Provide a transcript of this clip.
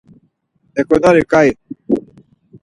Eǩonari ǩaii?